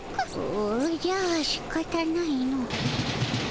おおじゃしかたないの。